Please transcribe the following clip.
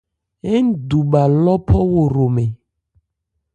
Ńdu bha lɔ́phɔ́wo hromɛn.